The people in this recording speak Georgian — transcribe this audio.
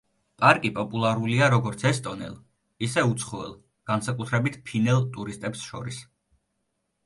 პარკი პოპულარულია როგორც ესტონელ, ისე უცხოელ, განსაკუთრებით ფინელ ტურისტებს შორის.